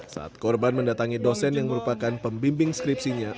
saat korban mendatangi dosen yang merupakan pembimbing skripsinya